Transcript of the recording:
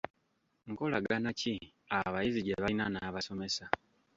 Nkolagana ki abayizi gye balina n'abasomesa?